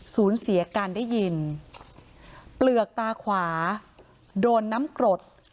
สูญเสียการได้ยินเปลือกตาขวาโดนน้ำกรด